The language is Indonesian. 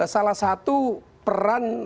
salah satu peran